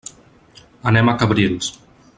Anem a Cabrils.